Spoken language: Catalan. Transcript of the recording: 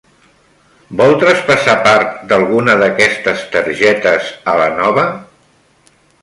Vol traspassar part d'alguna d'aquestes targetes a la nova?